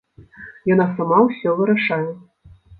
Яна сама ўсё вырашае.